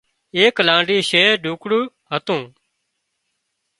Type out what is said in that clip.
ايڪ لانڍي شهر ڍوڪڙي هتون